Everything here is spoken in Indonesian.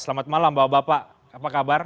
selamat malam bapak bapak apa kabar